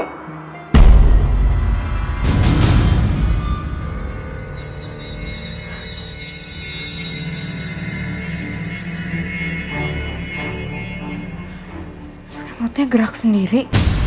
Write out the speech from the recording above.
mata matanya gerak sendiri